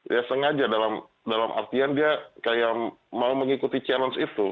ya sengaja dalam artian dia kayak mau mengikuti challenge itu